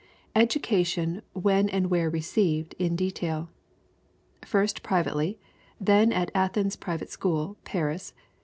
Education, when and where received, in detail: First privately. Then at Athens Private School. Paris.